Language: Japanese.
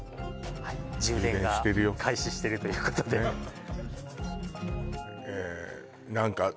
充電が開始してるということでえ